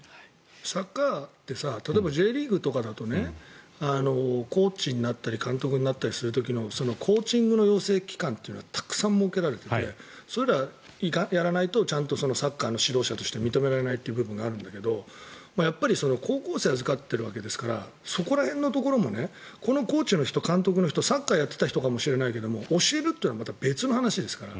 サッカーって例えばＪリーグとかだとコーチになったり監督になったりする時のコーチングの養成期間ってたくさん設けられていてそれはやらないとちゃんとサッカーの指導者としては認められないというのがあるんだけど、高校生を預かっているわけですからそこら辺のところもこのコーチの人、監督の人サッカーをやっていたかもしれないけれど教えるというのはまた別の話ですから。